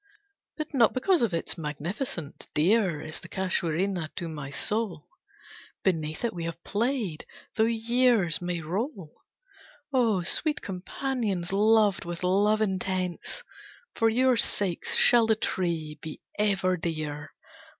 But not because of its magnificence Dear is the Casuarina to my soul: Beneath it we have played; though years may roll, O sweet companions, loved with love intense, For your sakes, shall the tree be ever dear!